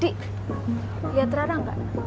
di liat radang kak